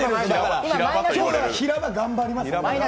今日、平場頑張ります。